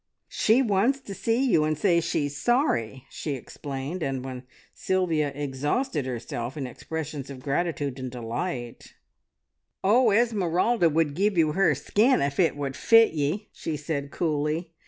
"She wants to see you, and say she's sorry," she explained, and when Sylvia exhausted herself in expressions of gratitude and delight, "Oh, Esmeralda would give you her skin if it would fit ye!" she said coolly.